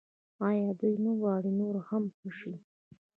آیا دوی نه غواړي نور هم ښه شي؟